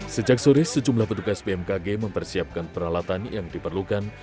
sejak sore sejumlah petugas bmkg mempersiapkan peralatan yang diperlukan